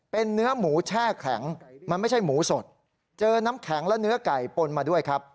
เป็นเนื้อหมูแช่แข็งมันไม่ใช่หมูสดเจอน้ำแข็งและเนื้อไก่ปนมาด้วยครับ